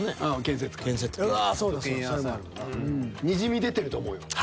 にじみ出てると思うよ。